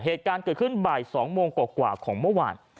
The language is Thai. เหตุการณ์เกิดขึ้นบ่าย๒โมงกว่าของเมื่อวาน